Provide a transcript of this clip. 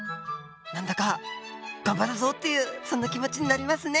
何だか「頑張るぞ」というそんな気持ちになりますね。